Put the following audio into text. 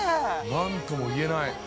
◆何とも言えない。